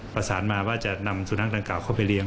ประสานมาว่าจะนำสุนัขดังกล่าเข้าไปเลี้ย